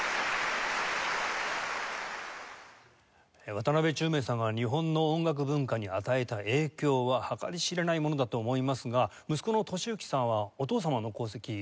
渡辺宙明さんが日本の音楽文化に与えた影響は計り知れないものだと思いますが息子の俊幸さんはお父様の功績どう見られていますか？